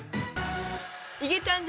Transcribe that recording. いげちゃん